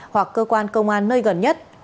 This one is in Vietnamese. hoặc cơ quan công an nơi gần nhất